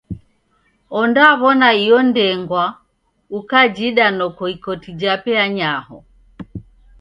Ondaw'ona iyo ndengwa, ukajida noko ikoti jape anyaho.